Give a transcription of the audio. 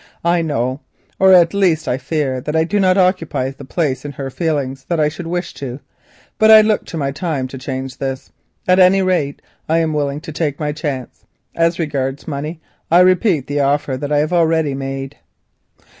I know, or at least I fear, that I do not occupy the place in her feelings that I should wish to, but I look to time to change this; at any rate I am willing to take my chance. As regards money, I repeat the offer which I have already made."